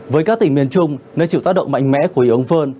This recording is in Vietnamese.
với các tỉnh miền trung nơi chịu tác động mạnh mẽ của hiệu ống phơn